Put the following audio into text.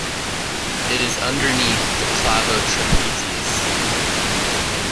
It is underneath the Clavotrapezius.